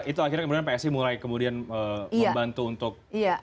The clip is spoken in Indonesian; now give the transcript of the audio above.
itu akhirnya pak ac mulai kemudian membantu untuk